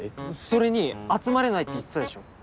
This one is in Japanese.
それに集まれないって言ってたでしょ